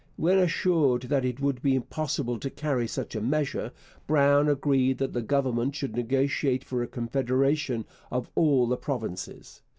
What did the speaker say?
When assured that it would be impossible to carry such a measure, Brown agreed that the Government should negotiate for a confederation of all the provinces.